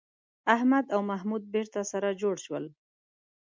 احمد او محمود بېرته سره جوړ شول